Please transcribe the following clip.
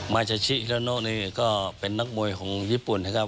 มาเชชิระโนนี่ก็เป็นนักมวยของญี่ปุ่นนะครับ